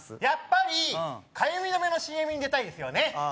やっぱりかゆみ止めのＣＭに出たいですよね